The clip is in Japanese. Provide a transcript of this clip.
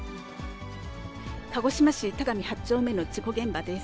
鹿児島市田上８丁目の事故現場です。